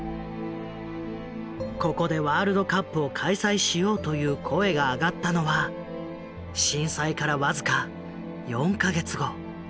ここでワールドカップを開催しようという声があがったのは震災から僅か４か月後。